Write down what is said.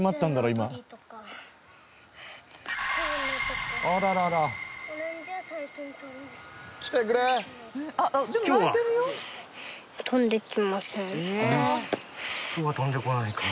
今日は飛んでこないか。